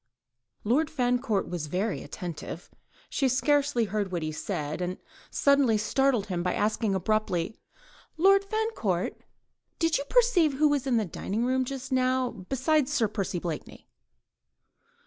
Lord Fancourt was very attentive. She scarcely heard what he said, and suddenly startled him by asking abruptly,— "Lord Fancourt, did you perceive who was in the dining room just now besides Sir Percy Blakeney?"